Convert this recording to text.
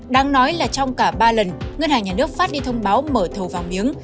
đáng nói là trong cả ba lần ngân hàng nhà nước phát đi thông báo mở thầu vàng miếng